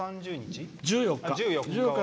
１４日。